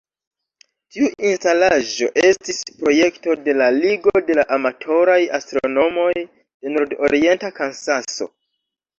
Tiu instalaĵo estis projekto de la Ligo de la Amatoraj Astronomoj de Nord-Orienta Kansaso.